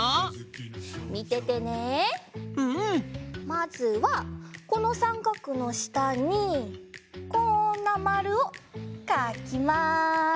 まずはこのさんかくのしたにこんなまるをかきます。